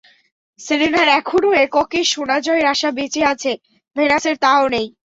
সেরেনার এখনো এককে সোনা জয়ের আশা বেঁচে আছে, ভেনাসের তা-ও নেই।